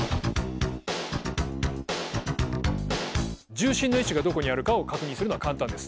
重心の位置がどこにあるかを確認するのは簡単です。